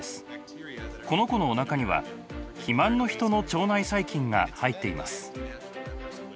この子のおなかには肥満のヒトの腸内細菌が入っています。